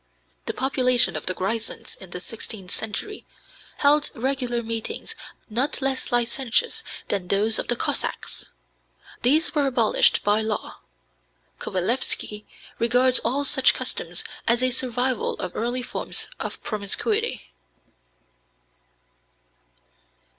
The population of the Grisons in the sixteenth century held regular meetings not less licentious than those of the Cossacks. These were abolished by law. Kowalewsky regards all such customs as a survival of early forms of promiscuity.